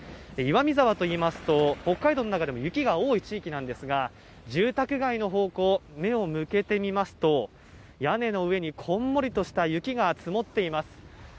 岩見沢といいますと、北海道の中でも雪が多い地域なんですが、住宅街の方向、目を向けてみますと、屋根の上にこんもりとした雪が積もっています。